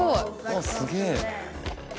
あすげえ。